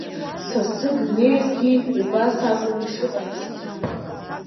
Сасык днеиргьы, убас акәын ишыҟаиҵоз.